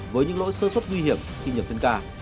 với những lỗi sơ sốt nguy hiểm khi nhập chân gà